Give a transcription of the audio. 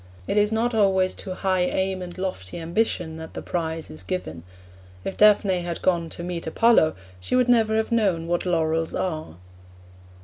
It is not always to high aim and lofty ambition that the prize is given. If Daphne had gone to meet Apollo, she would never have known what laurels are.